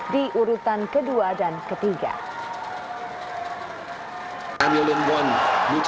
di urutan kedua dan ketiga